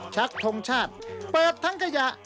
ชักทงชาติเปิดทั้งกระหยะ